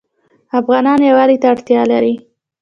افغانان یووالي ته اړتیا لري.